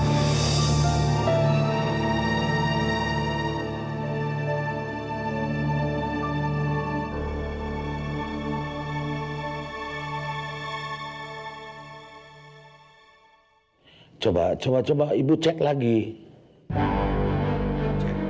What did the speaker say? kita juga udah selama sembilan har mata aku usut